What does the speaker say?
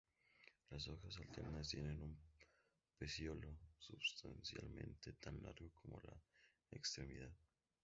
Las hojas, alternas, tienen un pecíolo sustancialmente tan largo como la extremidad.